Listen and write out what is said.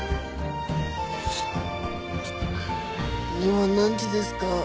今何時ですか？